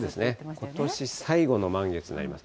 ことし最後の満月になります。